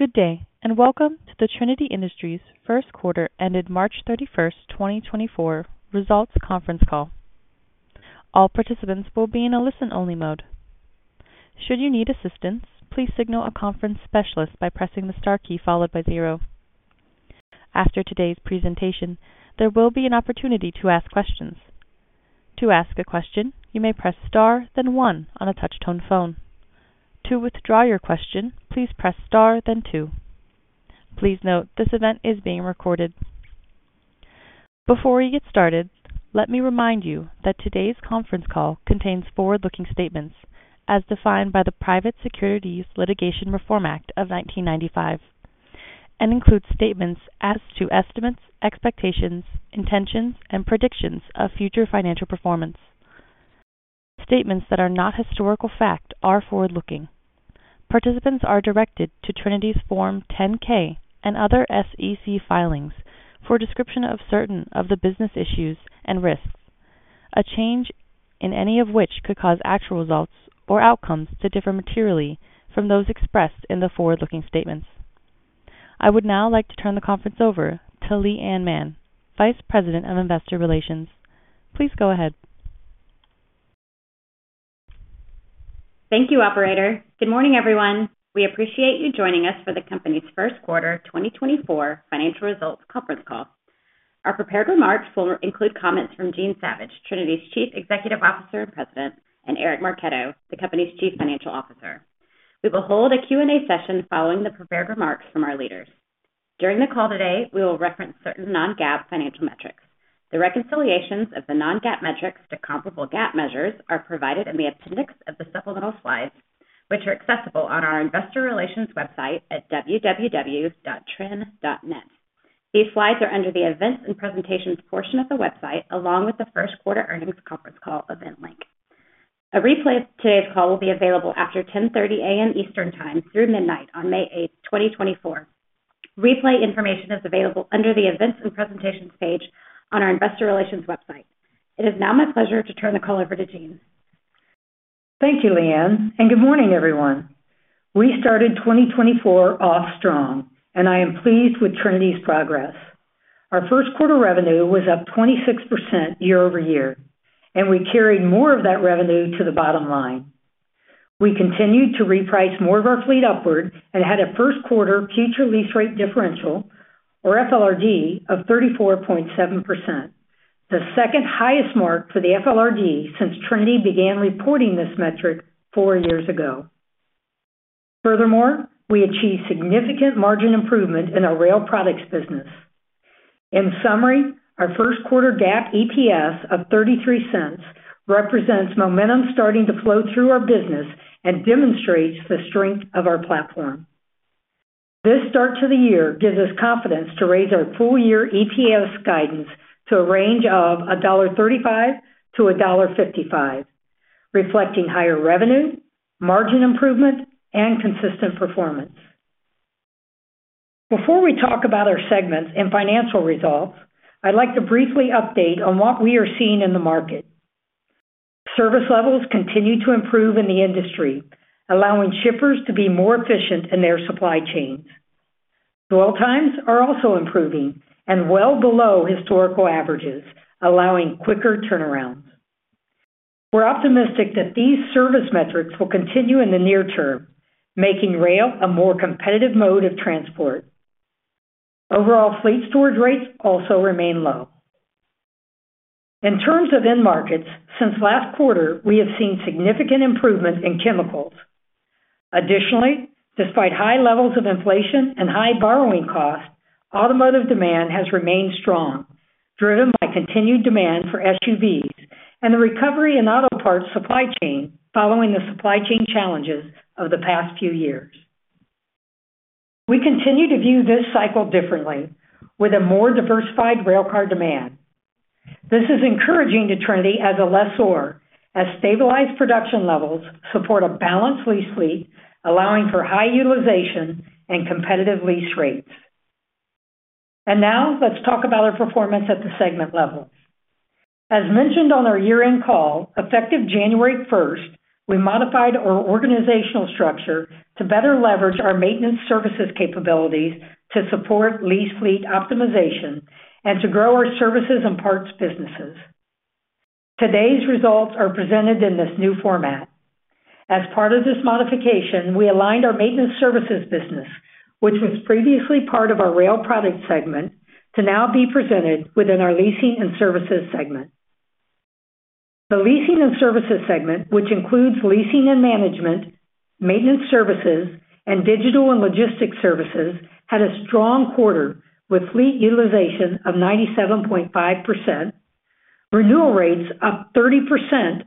Good day, and welcome to the Trinity Industries Q1 ended 31 March, 2024 results conference call. All participants will be in a listen-only mode. Should you need assistance, please signal a conference specialist by pressing the star key followed by zero. After today's presentation, there will be an opportunity to ask questions. To ask a question, you may press *, then 1 on a touch-tone phone. To withdraw your question, please press *, then 2. Please note, this event is being recorded. Before we get started, let me remind you that today's conference call contains forward-looking statements as defined by the Private Securities Litigation Reform Act of 1995, and includes statements as to estimates, expectations, intentions, and predictions of future financial performance. Statements that are not historical fact are forward-looking. Participants are directed to Trinity's Form 10-K and other SEC filings for a description of certain of the business issues and risks, a change in any of which could cause actual results or outcomes to differ materially from those expressed in the forward-looking statements. I would now like to turn the conference over to Leigh Anne Mann, Vice President of Investor Relations. Please go ahead. Thank you, operator. Good morning, everyone. We appreciate you joining us for the company's Q1 2024 financial results conference call. Our prepared remarks will include comments from Jean Savage, Trinity's Chief Executive Officer and President, and Eric Marchetto, the company's Chief Financial Officer. We will hold a Q&A session following the prepared remarks from our leaders. During the call today, we will reference certain non-GAAP financial metrics. The reconciliations of the non-GAAP metrics to comparable GAAP measures are provided in the appendix of the supplemental slides, which are accessible on our investor relations website at www.trin.net. These slides are under the Events and Presentations portion of the website, along with the Q1 earnings conference call event link. A replay of today's call will be available after 10:30AM Eastern Time through midnight on 8 May, 2024. Replay information is available under the Events and Presentations page on our investor relations website. It is now my pleasure to turn the call over to Jean. Thank you, Leigh Anne, and good morning, everyone. We started 2024 off strong, and I am pleased with Trinity's progress. Our Q1 revenue was up 26% year-over-year, and we carried more of that revenue to the bottom line. We continued to reprice more of our fleet upward and had a Q1 future lease rate differential, or FLRD, of 34.7%, the second highest mark for the FLRD since Trinity began reporting this metric 4 years ago. Furthermore, we achieved significant margin improvement in our rail products business. In summary, our Q1 GAAP EPS of $0.33 represents momentum starting to flow through our business and demonstrates the strength of our platform. This start to the year gives us confidence to raise our full-year EPS guidance to a range of $1.35 to 1.55, reflecting higher revenue, margin improvement, and consistent performance. Before we talk about our segments and financial results, I'd like to briefly update on what we are seeing in the market. Service levels continue to improve in the industry, allowing shippers to be more efficient in their supply chains. Dwell times are also improving and well below historical averages, allowing quicker turnarounds. We're optimistic that these service metrics will continue in the near term, making rail a more competitive mode of transport. Overall, fleet storage rates also remain low. In terms of end markets, since last quarter, we have seen significant improvement in chemicals. Additionally, despite high levels of inflation and high borrowing costs, automotive demand has remained strong, driven by continued demand for SUVs and the recovery in auto parts supply chain following the supply chain challenges of the past few years. We continue to view this cycle differently with a more diversified railcar demand. This is encouraging to Trinity as a lessor, as stabilized production levels support a balanced lease fleet, allowing for high utilization and competitive lease rates. Now let's talk about our performance at the segment level. As mentioned on our year-end call, effective 1 January, we modified our organizational structure to better leverage our maintenance services capabilities to support lease fleet optimization and to grow our services and parts businesses. Today's results are presented in this new format. As part of this modification, we aligned our maintenance services business, which was previously part of our rail product segment, to now be presented within our leasing and services segment. The leasing and services segment, which includes leasing and management, maintenance services, and digital and logistics services, had a strong quarter with fleet utilization of 97.5%, renewal rates up 30%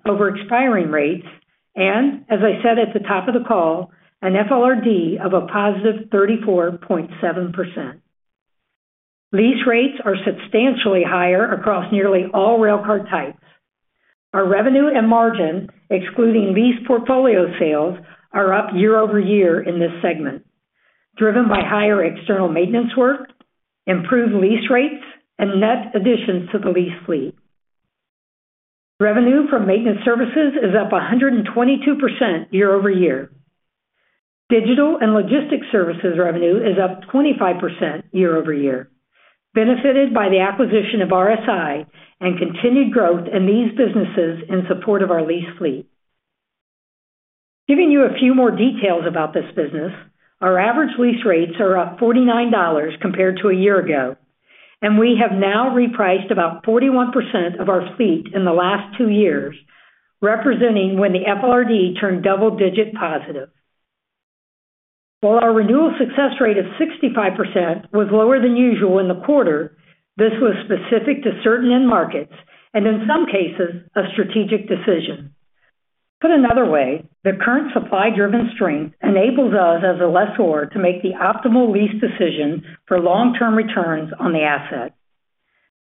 over expiring rates, and as I said at the top of the call, an FLRD of +34.7%. Lease rates are substantially higher across nearly all railcar types. Our revenue and margin, excluding lease portfolio sales, are up year-over-year in this segment, driven by higher external maintenance work, improved lease rates, and net additions to the lease fleet. Revenue from maintenance services is up 122% year-over-year. Digital and logistics services revenue is up 25% year-over-year, benefited by the acquisition of RSI and continued growth in these businesses in support of our lease fleet. Giving you a few more details about this business, our average lease rates are up $49 compared to a year ago, and we have now repriced about 41% of our fleet in the last 2 years, representing when the FLRD turned double-digit positive. While our renewal success rate of 65% was lower than usual in the quarter, this was specific to certain end markets and, in some cases, a strategic decision. Put another way, the current supply-driven strength enables us as a lessor to make the optimal lease decision for long-term returns on the asset.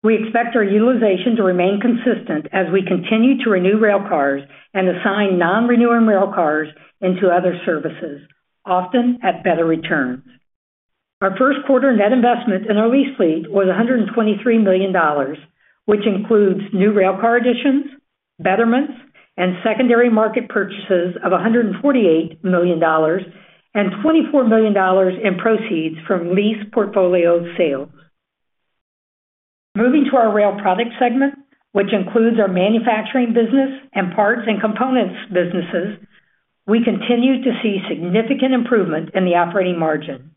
We expect our utilization to remain consistent as we continue to renew railcars and assign non-renewing railcars into other services, often at better returns. Our Q1 net investment in our lease fleet was $123 million, which includes new railcar additions, betterments, and secondary market purchases of $148 million, and $24 million in proceeds from lease portfolio sales. Moving to our rail product segment, which includes our manufacturing business and parts and components businesses, we continue to see significant improvement in the operating margin.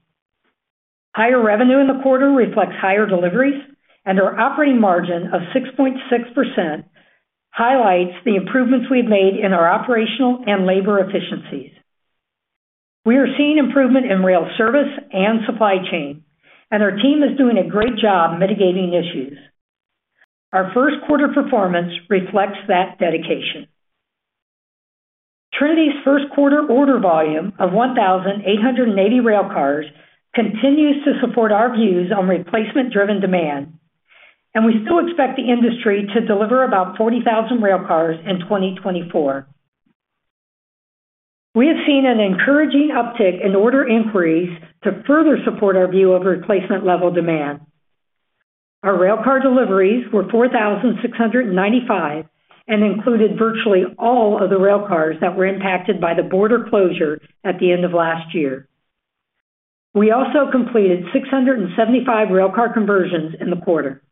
Higher revenue in the quarter reflects higher deliveries, and our operating margin of 6.6% highlights the improvements we've made in our operational and labor efficiencies. We are seeing improvement in rail service and supply chain, and our team is doing a great job mitigating issues. Our Q1 performance reflects that dedication. Trinity's Q1 order volume of 1,880 railcars continues to support our views on replacement-driven demand, and we still expect the industry to deliver about 40,000 railcars in 2024. We have seen an encouraging uptick in order inquiries to further support our view of replacement-level demand. Our railcar deliveries were 4,695 and included virtually all of the railcars that were impacted by the border closure at the end of last year. We also completed 675 railcar conversions in the quarter.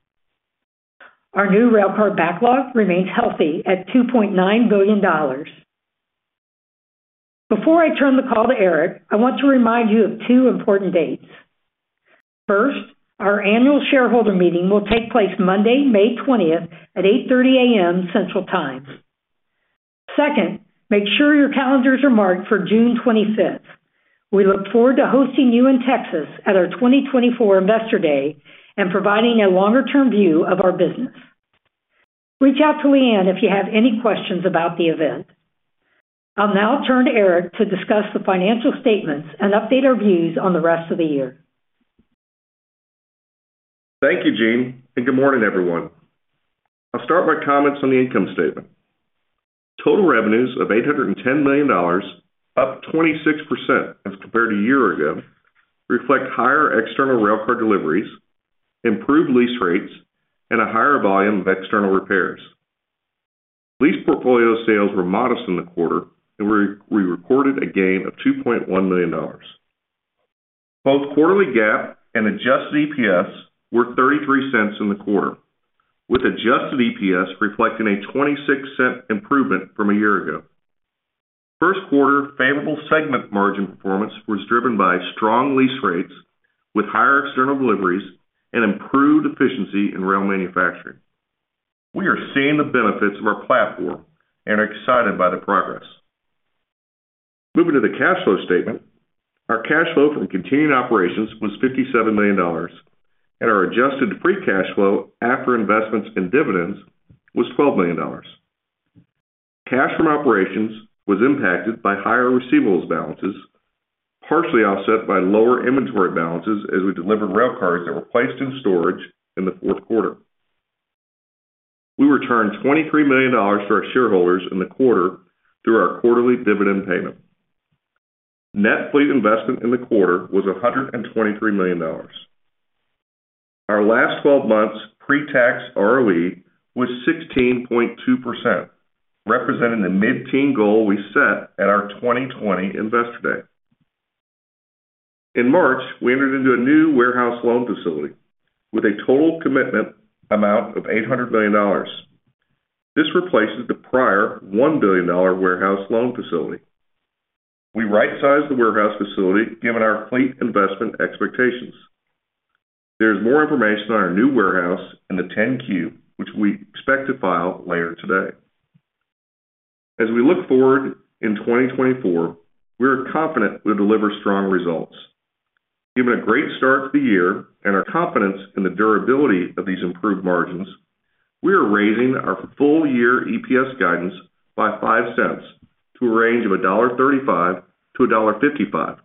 Our new railcar backlog remains healthy at $2.9 billion. Before I turn the call to Eric, I want to remind you of two important dates. First, our annual shareholder meeting will take place Monday, 20 May, at 8:30AM Central Time. Second, make sure your calendars are marked for 25 June. We look forward to hosting you in Texas at our 2024 Investor Day and providing a longer-term view of our business. Reach out to Leigh Anne if you have any questions about the event. I'll now turn to Eric to discuss the financial statements and update our views on the rest of the year. Thank you, Jean, and good morning, everyone. I'll start my comments on the income statement. Total revenues of $810 million, up 26% as compared to a year ago, reflect higher external railcar deliveries, improved lease rates, and a higher volume of external repairs. Lease portfolio sales were modest in the quarter, and we recorded a gain of $2.1 million. Both quarterly GAAP and adjusted EPS were $0.33 in the quarter, with adjusted EPS reflecting a $0.26 improvement from a year ago. Q1 favorable segment margin performance was driven by strong lease rates, with higher external deliveries and improved efficiency in rail manufacturing. We are seeing the benefits of our platform and are excited by the progress. Moving to the cash flow statement, our cash flow from continuing operations was $57 million, and our adjusted free cash flow after investments and dividends was $12 million. Cash from operations was impacted by higher receivables balances, partially offset by lower inventory balances as we delivered railcars that were placed in storage in the Q4. We returned $23 million to our shareholders in the quarter through our quarterly dividend payment. Net fleet investment in the quarter was $123 million. Our last 12 months pre-tax ROE was 16.2%, representing the mid-teen goal we set at our 2020 Investor Day. In March, we entered into a new warehouse loan facility with a total commitment amount of $800 million. This replaces the prior $1 billion warehouse loan facility. We rightsized the warehouse facility, given our fleet investment expectations. There is more information on our new warehouse in the 10-Q, which we expect to file later today. As we look forward in 2024, we are confident we'll deliver strong results. Given a great start to the year and our confidence in the durability of these improved margins, we are raising our full-year EPS guidance by $0.05, to a range of $1.35 to 1.55.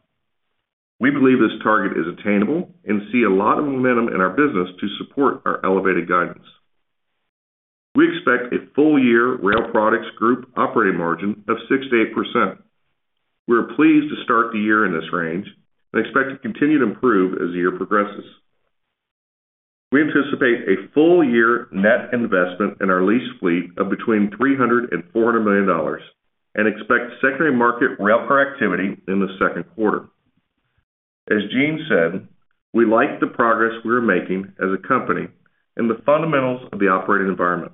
We believe this target is attainable and see a lot of momentum in our business to support our elevated guidance. We expect a full-year Rail Products Group operating margin of 6% to 8%. We are pleased to start the year in this range and expect to continue to improve as the year progresses.... We anticipate a full year net investment in our lease fleet of between $300 and $400 million, and expect secondary market railcar activity in the Q2. As Jean said, we like the progress we are making as a company and the fundamentals of the operating environment.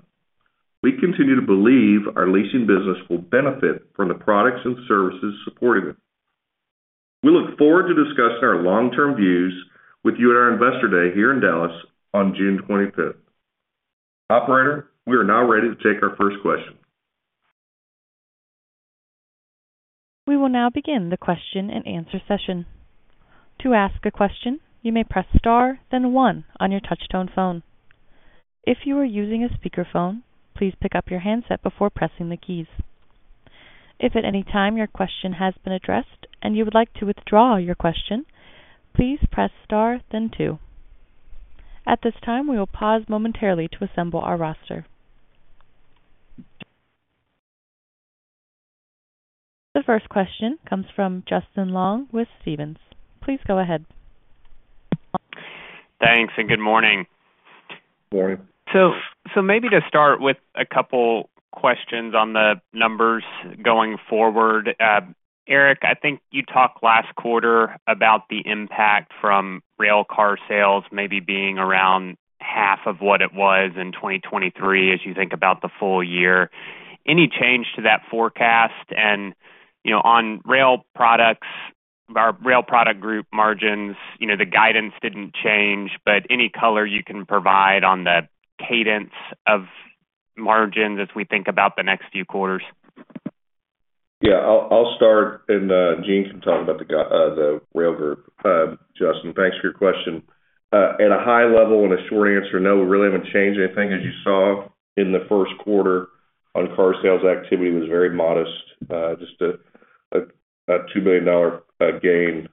We continue to believe our leasing business will benefit from the products and services supporting it. We look forward to discussing our long-term views with you at our Investor Day here in Dallas on 25 June. Operator, we are now ready to take our first question. We will now begin the question-and-answer session. To ask a question, you may press *, then 1 on your touchtone phone. If you are using a speakerphone, please pick up your handset before pressing the keys. If at any time your question has been addressed and you would like to withdraw your question, please press * then 2. At this time, we will pause momentarily to assemble our roster. The first question comes from Justin Long with Stephens. Please go ahead. Thanks, and good morning. Morning. So maybe to start with a couple questions on the numbers going forward. Eric, I think you talked last quarter about the impact from railcar sales maybe being around half of what it was in 2023, as you think about the full year. Any change to that forecast? And, you know, on rail products, our rail product group margins, you know, the guidance didn't change, but any color you can provide on the cadence of margins as we think about the next few quarters? Yeah. I'll start and Jean can talk about the rail group. Justin, thanks for your question. At a high level and a short answer, no, we really haven't changed anything. As you saw in the Q1, on car sales activity, it was very modest, just a $2 billion gain.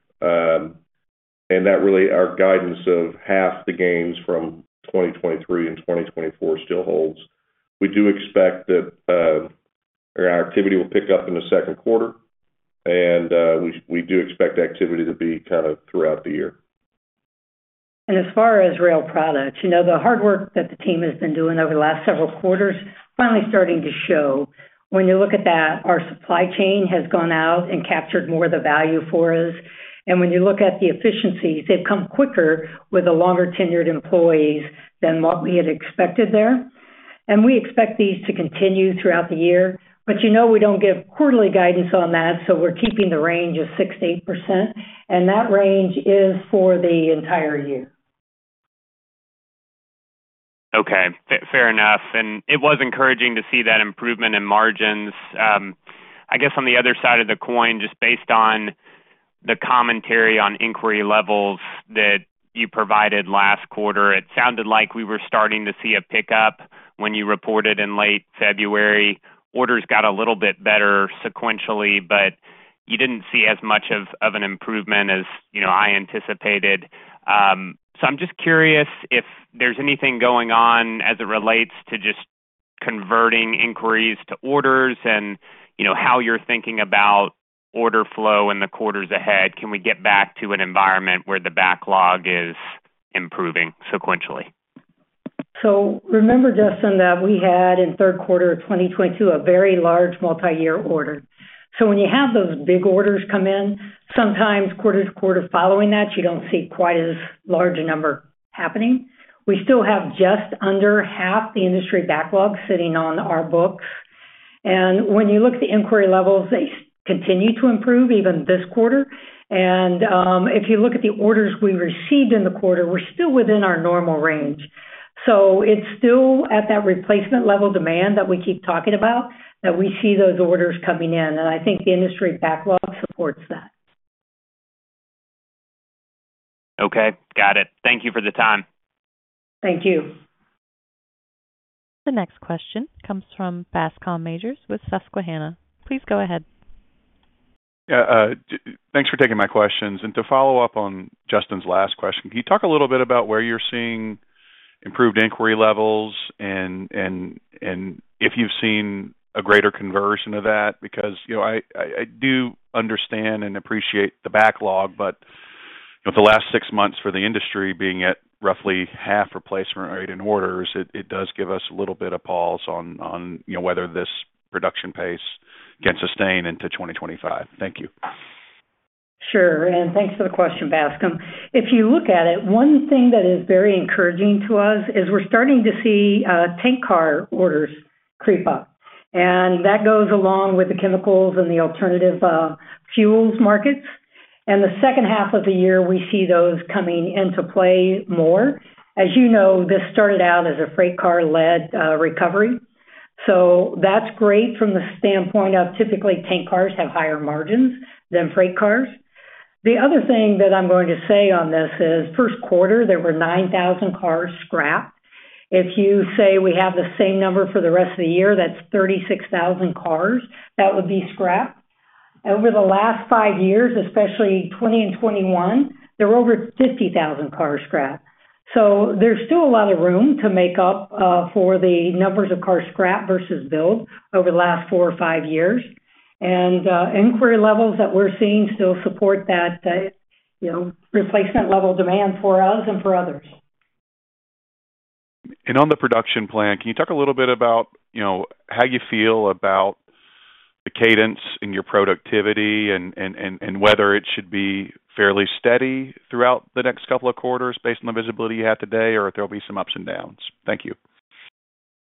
And that really, our guidance of half the gains from 2023 and 2024 still holds. We do expect that our activity will pick up in the Q2, and we do expect activity to be kind of throughout the year. As far as rail products, you know, the hard work that the team has been doing over the last several quarters, finally starting to show. When you look at that, our supply chain has gone out and captured more of the value for us. And when you look at the efficiencies, they've come quicker with the longer-tenured employees than what we had expected there. And we expect these to continue throughout the year. But you know, we don't give quarterly guidance on that, so we're keeping the range of 6% to 8%, and that range is for the entire year. Okay, fair enough, and it was encouraging to see that improvement in margins. I guess on the other side of the coin, just based on the commentary on inquiry levels that you provided last quarter, it sounded like we were starting to see a pickup when you reported in late February. Orders got a little bit better sequentially, but you didn't see as much of an improvement as, you know, I anticipated. So I'm just curious if there's anything going on as it relates to just converting inquiries to orders and, you know, how you're thinking about order flow in the quarters ahead. Can we get back to an environment where the backlog is improving sequentially? So remember, Justin, that we had, in Q3 of 2022, a very large multi-year order. So when you have those big orders come in, sometimes quarter to quarter following that, you don't see quite as large a number happening. We still have just under half the industry backlog sitting on our books, and when you look at the inquiry levels, they continue to improve even this quarter. And, if you look at the orders we received in the quarter, we're still within our normal range. So it's still at that replacement level demand that we keep talking about, that we see those orders coming in, and I think the industry backlog supports that. Okay, got it. Thank you for the time. Thank you. The next question comes from Bascome Majors with Susquehanna. Please go ahead. Yeah, thanks for taking my questions. And to follow up on Justin's last question, can you talk a little bit about where you're seeing improved inquiry levels and if you've seen a greater conversion of that? Because, you know, I do understand and appreciate the backlog, but, you know, the last six months for the industry being at roughly half replacement rate in orders, it does give us a little bit of pause on you know, whether this production pace can sustain into 2025. Thank you. Sure, and thanks for the question, Bascome. If you look at it, one thing that is very encouraging to us is we're starting to see, tank car orders creep up, and that goes along with the chemicals and the alternative, fuels markets. And the second half of the year, we see those coming into play more. As you know, this started out as a freight car-led, recovery, so that's great from the standpoint of typically, tank cars have higher margins than freight cars. The other thing that I'm going to say on this is, Q1, there were 9,000 cars scrapped. If you say we have the same number for the rest of the year, that's 36,000 cars that would be scrapped. Over the last five years, especially 2020 and 2021, there were over 50,000 cars scrapped. So there's still a lot of room to make up for the numbers of cars scrapped versus built over the last four or five years, and inquiry levels that we're seeing still support that, you know, replacement level demand for us and for others. On the production plan, can you talk a little bit about, you know, how you feel about the cadence in your productivity and whether it should be fairly steady throughout the next couple of quarters based on the visibility you have today, or if there'll be some ups and downs? Thank you.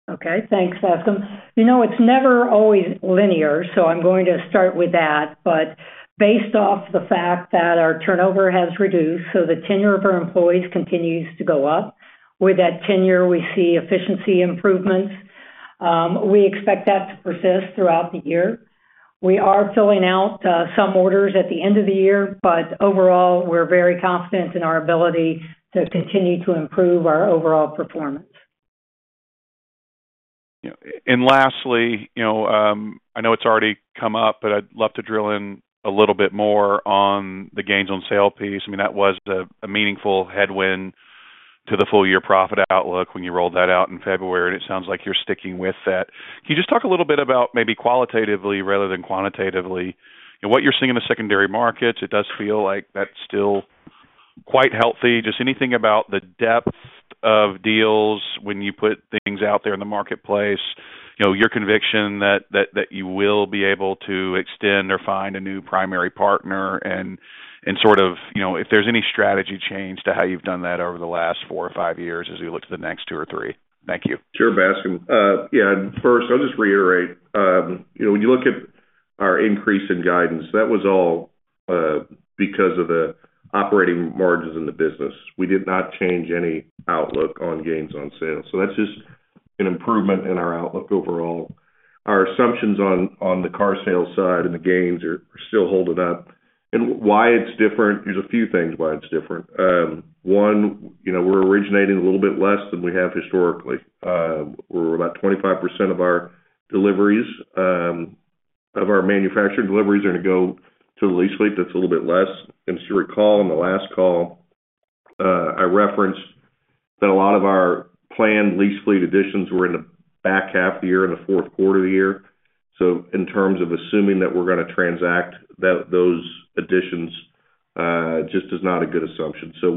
Okay, thanks, Bascome. You know, it's never always linear, so I'm going to start with that. But based off the fact that our turnover has reduced, so the tenure of our employees continues to go up. With that tenure, we see efficiency improvements. We expect that to persist throughout the year. We are filling out some orders at the end of the year, but overall, we're very confident in our ability to continue to improve our overall performance. And lastly, you know, I know it's already come up, but I'd love to drill in a little bit more on the gains on sale piece. I mean, that was a meaningful headwind to the full year profit outlook when you rolled that out in February, and it sounds like you're sticking with that. Can you just talk a little bit about maybe qualitatively rather than quantitatively, and what you're seeing in the secondary markets? It does feel like that's still quite healthy. Just anything about the depth of deals when you put things out there in the marketplace, you know, your conviction that you will be able to extend or find a new primary partner and sort of, you know, if there's any strategy change to how you've done that over the last four or five years as we look to the next two or three? Thank you. Sure, Bascome. Yeah, first, I'll just reiterate, you know, when you look at our increase in guidance, that was all because of the operating margins in the business. We did not change any outlook on gains on sales, so that's just an improvement in our outlook overall. Our assumptions on the car sales side and the gains are still holding up. And why it's different, there's a few things why it's different. One, you know, we're originating a little bit less than we have historically. We're about 25% of our deliveries of our manufactured deliveries are going to go to the lease fleet. That's a little bit less. And as you recall, on the last call, I referenced that a lot of our planned lease fleet additions were in the back half of the year, in the Q4 of the year. So in terms of assuming that we're going to transact those additions, it just is not a good assumption. So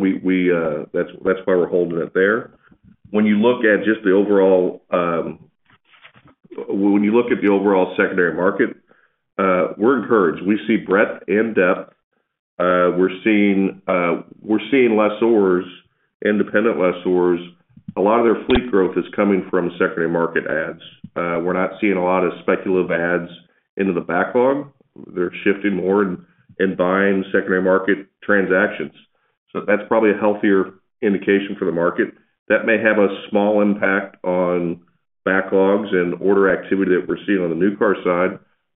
that's, that's why we're holding it there. When you look at the overall secondary market, we're encouraged. We see breadth and depth. We're seeing lessors, independent lessors. A lot of their fleet growth is coming from secondary market adds. We're not seeing a lot of speculative adds into the backlog. They're shifting more and buying secondary market transactions. So that's probably a healthier indication for the market. That may have a small impact on backlogs and order activity that we're seeing on the new car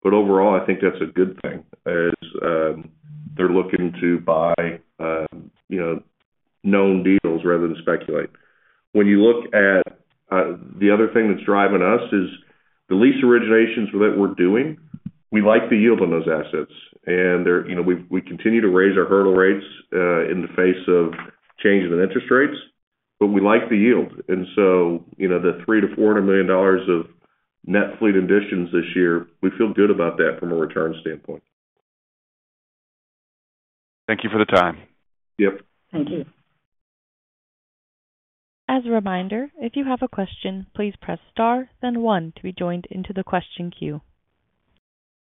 side, but overall, I think that's a good thing, as they're looking to buy, you know, known deals rather than speculate. When you look at, the other thing that's driving us, is the lease originations that we're doing, we like the yield on those assets, and they're, you know, we, we continue to raise our hurdle rates, in the face of changes in interest rates, but we like the yield. And so, you know, the $300 to 400 million of net fleet additions this year, we feel good about that from a return standpoint. Thank you for the time. Yep. Thank you. As a reminder, if you have a question, please press *, then 1 to be joined into the question queue.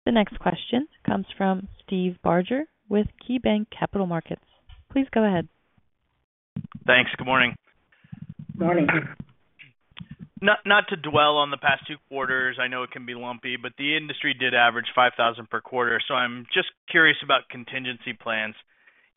The next question comes from Steve Barger with KeyBanc Capital Markets. Please go ahead. Thanks. Good morning. Good morning. Not to dwell on the past two quarters, I know it can be lumpy, but the industry did average 5,000 per quarter, so I'm just curious about contingency plans.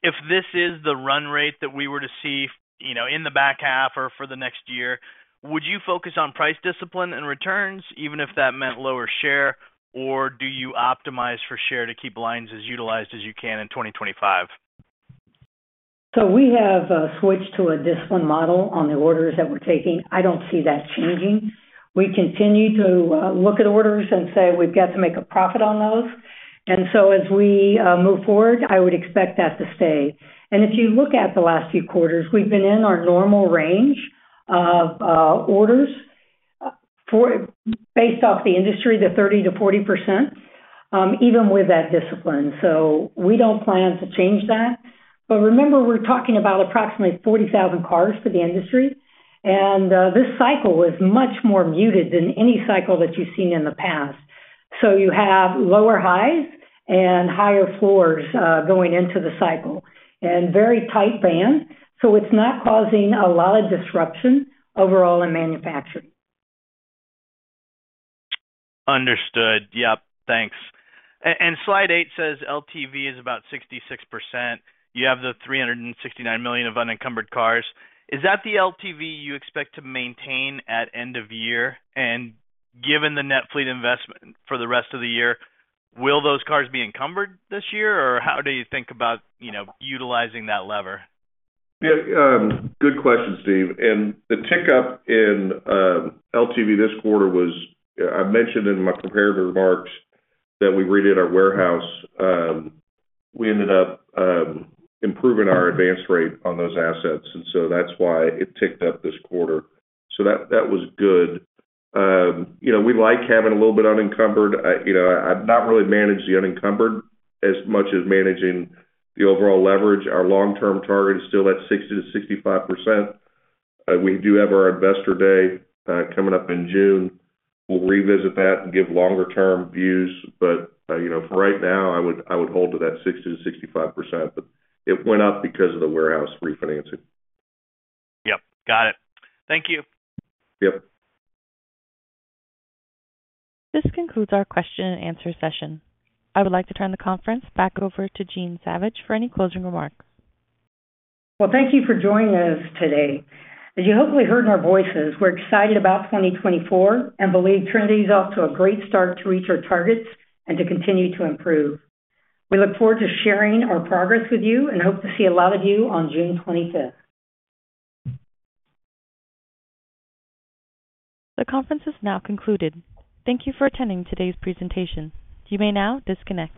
If this is the run rate that we were to see, you know, in the back half or for the next year, would you focus on price discipline and returns, even if that meant lower share, or do you optimize for share to keep lines as utilized as you can in 2025? So we have switched to a discipline model on the orders that we're taking. I don't see that changing. We continue to look at orders and say we've got to make a profit on those. And so as we move forward, I would expect that to stay. And if you look at the last few quarters, we've been in our normal range of orders, based off the industry, the 30% to 40%, even with that discipline. So we don't plan to change that. But remember, we're talking about approximately 40,000 cars for the industry, and this cycle is much more muted than any cycle that you've seen in the past. So you have lower highs and higher floors, going into the cycle, and very tight band, so it's not causing a lot of disruption overall in manufacturing. Understood. Yep, thanks. And slide eight says LTV is about 66%. You have the $369 million of unencumbered cars. Is that the LTV you expect to maintain at end of year? And given the net fleet investment for the rest of the year, will those cars be encumbered this year, or how do you think about, you know, utilizing that lever? Yeah, good question, Steve. The tick up in LTV this quarter was, I mentioned in my prepared remarks that we redid our warehouse. We ended up improving our advance rate on those assets, and so that's why it ticked up this quarter. So that was good. You know, we like having a little bit unencumbered. You know, I've not really managed the unencumbered as much as managing the overall leverage. Our long-term target is still at 60% to 65%. We do have our investor day coming up in June. We'll revisit that and give longer term views, but you know, for right now, I would hold to that 60% to 65%, but it went up because of the warehouse refinancing. Yep, got it. Thank you. Yep. This concludes our question and answer session. I would like to turn the conference back over to Jean Savage for any closing remarks. Well, thank you for joining us today. As you hopefully heard in our voices, we're excited about 2024 and believe Trinity is off to a great start to reach our targets and to continue to improve. We look forward to sharing our progress with you and hope to see a lot of you on 25 June. The conference is now concluded. Thank you for attending today's presentation. You may now disconnect.